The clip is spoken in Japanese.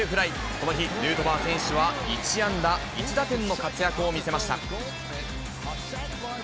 この日、ヌートバー選手は１安打１打点の活躍を見せました。